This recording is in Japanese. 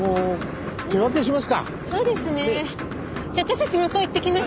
じゃあ私たち向こう行ってきます。